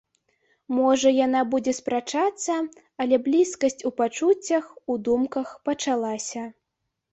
Можа, яна будзе спрачацца, але блізкасць у пачуццях, у думках пачалася.